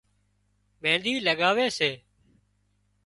مينۮِي لڳاوي سي